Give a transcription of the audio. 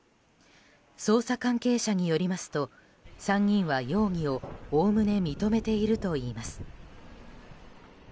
捜査関係者によりますと３人は容疑をおおむね認めているといいます。